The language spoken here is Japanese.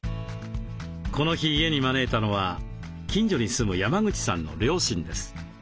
この日家に招いたのは近所に住む山口さんの両親です。